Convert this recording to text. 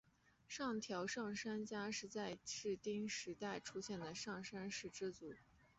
上条上杉家是在室町时代出现的上杉氏支族。